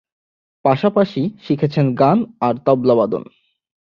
পাশাপাশি শিখেছেন গান আর তবলাবাদন।